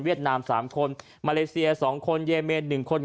นาม๓คนมาเลเซีย๒คนเยเมน๑คน